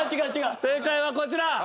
正解はこちら。